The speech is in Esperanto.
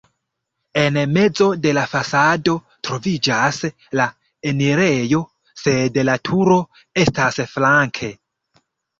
En mezo de la fasado troviĝas la enirejo, sed la turo estas flanke.